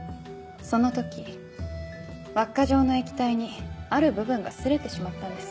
その時輪っか状の液体にある部分が擦れてしまったんです。